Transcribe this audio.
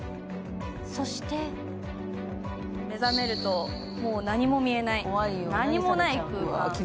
そして目覚めると、もう何も見えない、何もない空間。